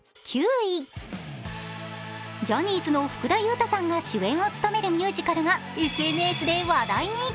ジャニーズの福田悠太さんが主演を務めるミュージカルがＳＮＳで話題に。